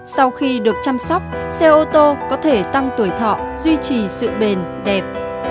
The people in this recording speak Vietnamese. sau khi được chăm sóc xe ô tô có thể tăng tuổi thọ duy trì sự bền đẹp